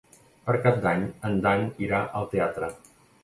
Per Cap d'Any en Dan irà al teatre.